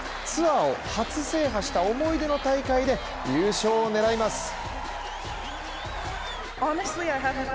ツアーを初制覇した思い出の大会で優勝を狙います。